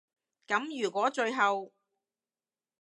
噉如果最後